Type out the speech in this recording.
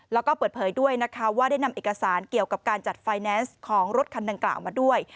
แล้วก็เปิดเผยด้วยนะคะว่าได้นำเอกสารเกี่ยวกับการจัดไฟแนนซ์ของรถคันดังกล่าวมาด้วย